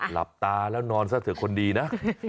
หลับตาแล้วนอนซะเถอะคนดีนะ